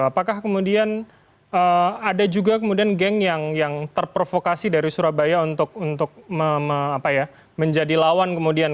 apakah kemudian ada juga kemudian geng yang terprovokasi dari surabaya untuk menjadi lawan kemudian